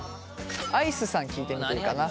アイスさん聞いてみていいかな？